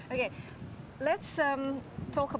oke mari kita bicara tentang